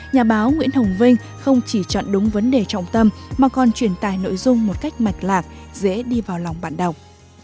nhà báo nguyễn hồng vinh không chỉ chọn đúng vấn đề trọng tâm mà còn truyền tài nội dung một cách mạch lạc dễ đi vào lòng bạn đọc